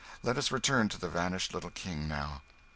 Let us return to the vanished little King now.